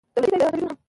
دولتي ټلویزیون هم